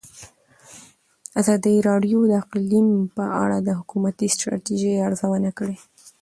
ازادي راډیو د اقلیم په اړه د حکومتي ستراتیژۍ ارزونه کړې.